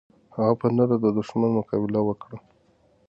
هغه په نره د دښمن مقابله وکړه.